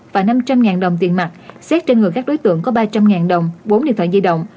và năm trăm linh đồng tiền mặt xét trên người các đối tượng có ba trăm linh đồng bốn điện thoại di động